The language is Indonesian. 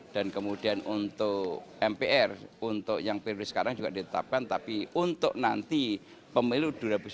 dan kemudian untuk mpr untuk yang prioris sekarang juga ditetapkan tapi untuk nanti pemilu dua ribu sembilan belas